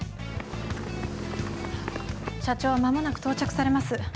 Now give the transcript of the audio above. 社長は間もなく到着されます。